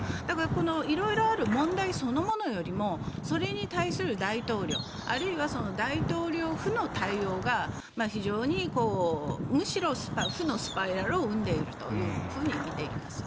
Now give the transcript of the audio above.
この色々ある問題そのものよりもそれに対する大統領あるいは大統領府の対応が非常にむしろ、負のスパイラルを生んでいるとみています。